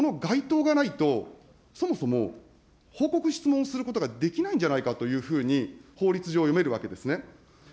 しかしながら、この該当がないと、そもそも報告質問することができないんじゃないかというふうに、法律上読めるわけですね。